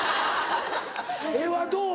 絵はどう？